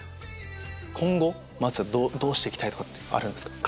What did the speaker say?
今後はどうして行きたいとかあるんですか？